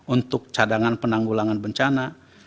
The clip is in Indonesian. untuk cadangan penanggulangan bencana